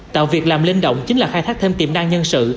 tạo việc làm linh động chính là khai thác thêm tiềm năng nhân sự